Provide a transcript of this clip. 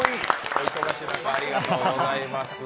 お忙しい中、ありがとうございます。